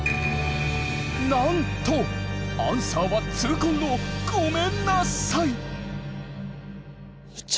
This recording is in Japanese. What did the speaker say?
なんとアンサーは痛恨の「ごめんなさい」。